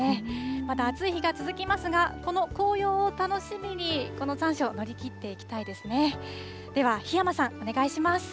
また暑い日が続きますが、この紅葉を楽しみに、この残暑を乗り切っていきたいですね。